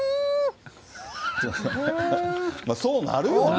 そうなるよね。